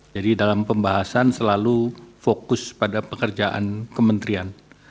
jadi dalam pembahasan selalu fokus pada pekerjaan kementerian